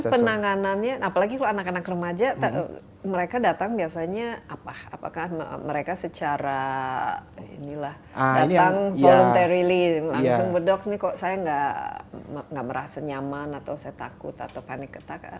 tapi kan penanganannya apalagi kalau anak anak remaja mereka datang biasanya apa apakah mereka secara inilah datang voluntarily langsung bedok ini kok saya nggak merasa nyaman atau saya takut atau panik